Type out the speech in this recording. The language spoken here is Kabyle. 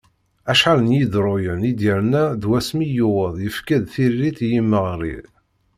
Acḥal n yineḍruyen i d-yerna d wasmi i yuweḍ yefka-d tiririt i yimeɣri.